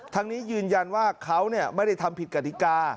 ทั้งนี้ยืนยันว่าเขาไม่ได้ทำผิดกฎิกา